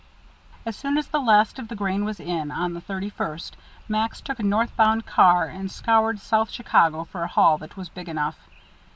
As soon as the last of the grain was in, on the thirty first, Max took a north bound car and scoured South Chicago for a hall that was big enough.